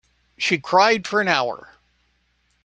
She cried for an hour.